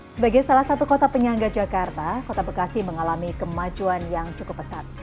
sebagai salah satu kota penyangga jakarta kota bekasi mengalami kemajuan yang cukup pesat